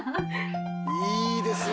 いいですね！